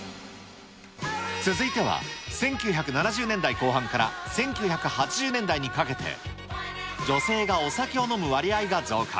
続いては１９７０年代後半から１９８０年代にかけて、女性がお酒を飲む割合が増加。